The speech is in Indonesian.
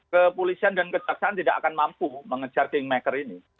kepolisian dan kejaksaan tidak akan mampu mengejar kingmaker ini